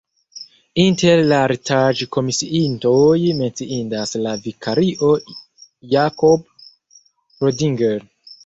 Inter la artaĵkomisiintoj menciindas la vikario Jakob Prodinger.